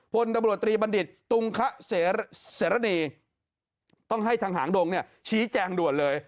พลตำรวจตรีบัณฑิตตุงคะเสรณีต้องให้ทางหางดงชี้แจงด่วนเลย